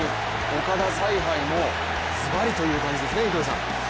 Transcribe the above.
岡田采配もズバリという感じですね。